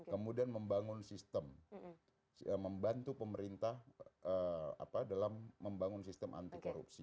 kemudian membangun sistem membantu pemerintah dalam membangun sistem anti korupsi